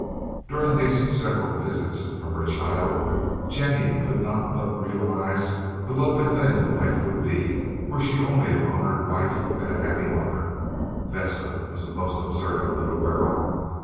During these several visits from her child Jennie could not but realize the lovely thing life would be were she only an honored wife and a happy mother. Vesta was a most observant little girl.